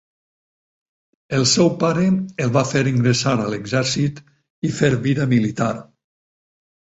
El seu pare el va fer ingressar a l'exèrcit i fer vida militar.